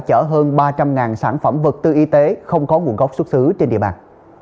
chở hơn ba trăm linh sản phẩm vật tư y tế không có nguồn gốc xuất xứ trên địa bàn